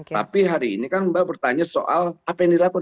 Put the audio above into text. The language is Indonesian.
tapi hari ini kan mbak bertanya soal apa yang dilakukan